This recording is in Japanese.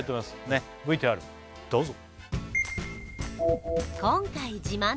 ねっＶＴＲどうぞ！